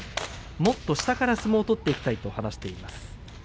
もっと下から相撲を取っていきたいという話をしていました。